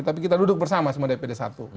tapi kita duduk bersama sama dpd satu